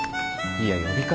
いや呼び方。